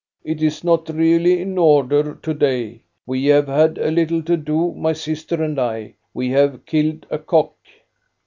" It is not really in order to day. We have had a little to do, my sister and I. We have killed a cock."